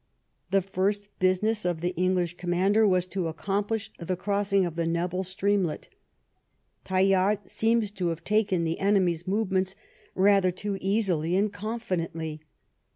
The first business of the English com mander was to accomplish the crossing of the Nebel streamlet Tallard seems to have taken the enemies' movements rather too easily and confidently.